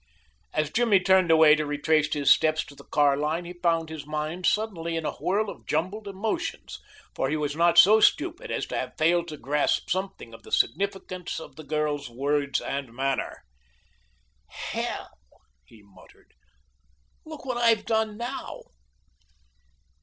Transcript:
As Jimmy turned away to retrace his steps to the car line he found his mind suddenly in a whirl of jumbled emotions, for he was not so stupid as to have failed to grasp something of the significance of the girl's words and manner. "Hell!" he muttered. "Look what I've done now!"